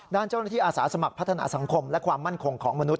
ด้านเจ้าหน้าที่อาสาสมัครพัฒนาสังคมและความมั่นคงของมนุษ